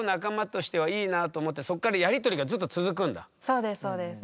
そうですそうです。